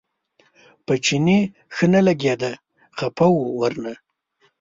په چیني ښه نه لګېده خپه و ورنه.